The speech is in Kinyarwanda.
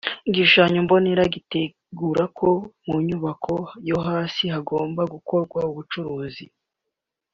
Igishushanyo mbonera gitegeka ko mu nyubako yo hasi hagomba gukorwa ubucuruzi